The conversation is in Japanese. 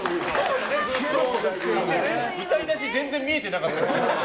歌いだし全然見えてなかったし。